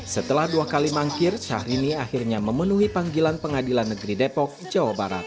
setelah dua kali mangkir syahrini akhirnya memenuhi panggilan pengadilan negeri depok jawa barat